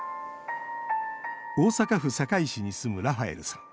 大阪府堺市に住むラファエルさん